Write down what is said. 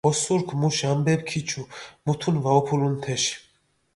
ოსურქ მუში ამბეფი ქიჩუ, მუთუნი ვაუფულუნ თეში.